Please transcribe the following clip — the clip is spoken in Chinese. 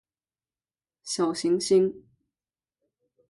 小行星